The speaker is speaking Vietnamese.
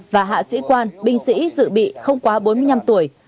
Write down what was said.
và hạ sĩ quan binh sĩ dự bị không quá bốn mươi năm tuổi